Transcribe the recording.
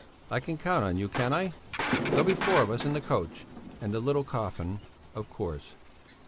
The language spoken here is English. I can count on you, can't I? There'll be four of us in the coach, and the little coffin, of course."